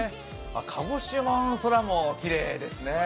鹿児島の空もきれいですね。